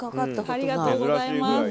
ありがとうございます。